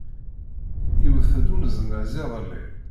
Iwet-d uneznaz iḍelli.